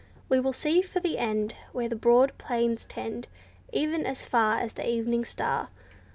We will seek for the end, Where the broad plains tend, E'en as far as the evening star.